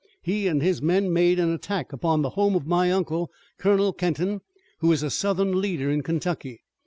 He and his men made an attack upon the home of my uncle, Colonel Kenton, who is a Southern leader in Kentucky.